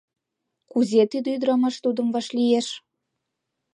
Кузе тиде ӱдрамаш тудым вашлиеш?